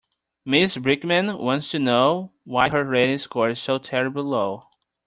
Mrs Brickman wants to know why her rating score is so terribly low.